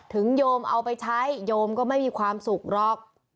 โยมเอาไปใช้โยมก็ไม่มีความสุขหรอก